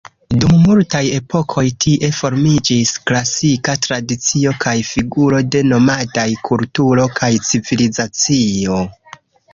Dum multaj epokoj tie formiĝis klasika tradicio kaj figuro de nomadaj kulturo kaj civilizacio.